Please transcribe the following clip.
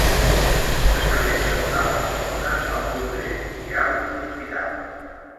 Se celebra a Barcelona el Congrés Mundial d'Hospitals.